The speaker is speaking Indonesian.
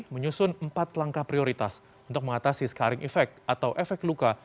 menyusun empat langkah prioritas untuk mengatasi scaring effect atau efek luka